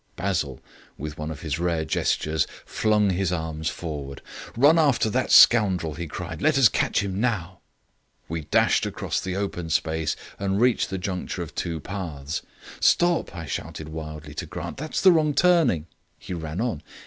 Basil, with one of his rare gestures, flung his arms forward. "Run after that scoundrel," he cried; "let us catch him now." We dashed across the open space and reached the juncture of two paths. "Stop!" I shouted wildly to Grant. "That's the wrong turning." He ran on.